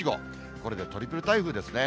これでトリプル台風ですね。